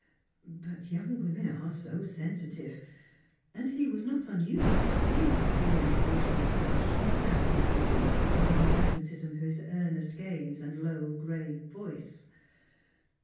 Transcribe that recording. But young women are so sensitive, and ne was not unused to see his female parishioners ]}lush and tremble a little under the magnetism of his earnest gaze and low grave voice.